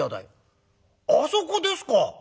「あそこですか。